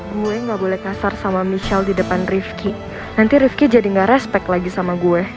gue gak boleh kasar sama michelle di depan rivki nanti rifki jadi gak respect lagi sama gue